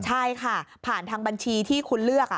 ใช่ค่ะผ่านทางบัญชีที่คุณเลือก